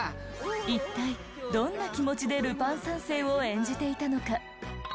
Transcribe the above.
一体どんな気持ちでルパン三世を演じていたのか？